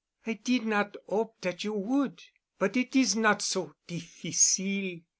"I did not 'ope dat you would. But it is not so difficile.